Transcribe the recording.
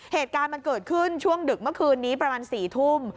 เหตุการณ์มันเกิดขึ้นช่วงดึกเมื่อคืนนี้ประมาณ๔ทุ่ม